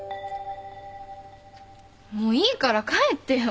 もういいから帰ってよ。